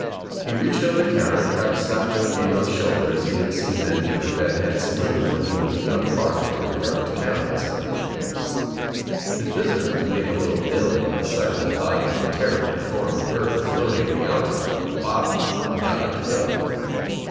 He reached over the counter and tried to slap Joe Kane on the shoulder as he had seen men do in Ben Head's saloon when he was a young farm hand and drove to town on Saturday evenings. His visitor was made a little ill by the sight of the body of the terribly deformed bird floating in the alcohol in the bottle and got up to go.